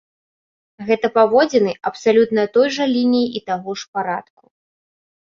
Гэта паводзіны абсалютна той жа лініі і таго ж парадку.